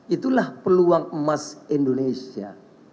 itulah peluang emas indonesia